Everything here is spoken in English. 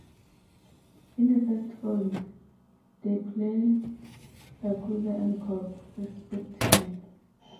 In the first film, they play yakuza and cop, respectively.